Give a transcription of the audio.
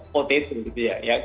potensi gitu ya